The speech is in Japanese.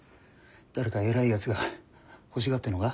誰か偉いやつが欲しがってるのか？